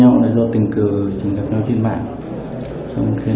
trước khi đối tượng thắng người nữ thắng đã khai nhận toàn bộ hành vi phạm tội của mình